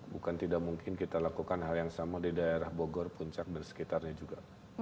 bukan tidak mungkin kita lakukan hal yang sama di daerah bogor puncak dan sekitarnya juga